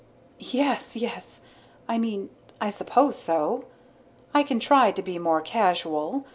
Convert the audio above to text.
"Yes, yes I mean, I suppose so. I can try to be more casual.